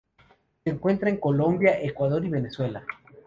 Se encuentra en Colombia, Ecuador y Venezuela.